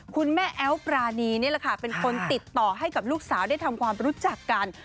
คุณแม่แอลปรานีเป็นคนติดต่อให้กับลูกสาวได้ทำความรู้จักกัน